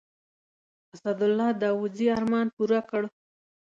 اسدالله داودزي ارمان پوره کړ.